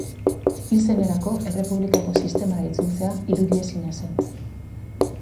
Hil zenerako, Errepublikako sistemara itzultzea irudiezina zen.